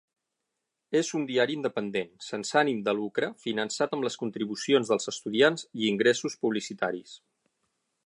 És un diari independent, sense ànim de lucre, finançat amb les contribucions dels estudiants i ingressos publicitaris.